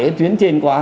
cái chuyến trên quá